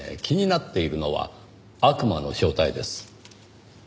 気になっているのは「悪魔」の正体です。